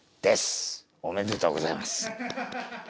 おめでとうございます。